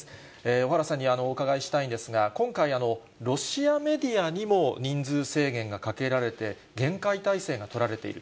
小原さんにお伺いしたいんですが、今回、ロシアメディアにも人数制限がかけられて、厳戒態勢が取られている。